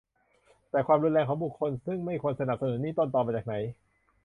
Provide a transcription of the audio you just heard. แต่ความรุนแรงของบุคคลซึ่งไม่ควรสนับสนุนนี้ ต้นตอมาจากไหน